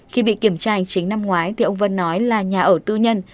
khi bị kiểm tra hành chính năm ngoái thì ông vân nói là nhà ở tư nhân